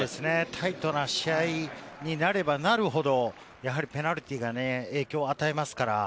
タイトな試合になればなるほどペナルティーがね、影響を与えますから。